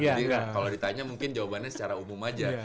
jadi kalau ditanya mungkin jawabannya secara umum aja